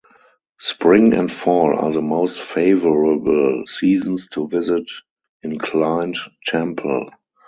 Spring and fall are the most favorable seasons to visit Inclined Temple.